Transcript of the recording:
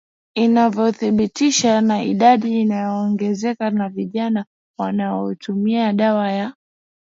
inavyothibitishwa na idadi inayoongezeka ya vijana wanaotumia dawa ya